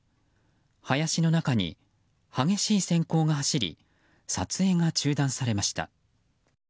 林の中に激しい閃光が走り撮影が中断されました。